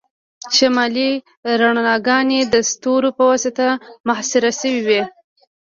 شمالي رڼاګانې د ستورو په واسطه محاصره شوي وي